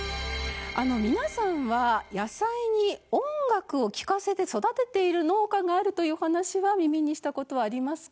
皆さんは野菜に音楽を聞かせて育てている農家があるという話は耳にした事はありますか？